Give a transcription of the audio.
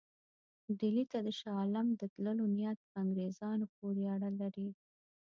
ډهلي ته د شاه عالم د تللو نیت په انګرېزانو پورې اړه لري.